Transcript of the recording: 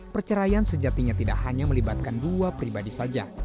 perceraian sejatinya tidak hanya melibatkan dua pribadi saja